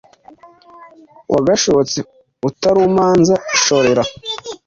Wagashotse utarumanza Shorera